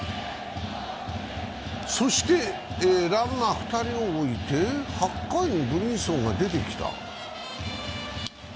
そしてランナー２人を置いて８回にブリンソンが出てきた。